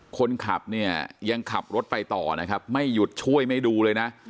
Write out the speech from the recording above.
คนขับเนี่ยยังขับรถไปต่อนะครับไม่หยุดช่วยไม่ดูเลยนะ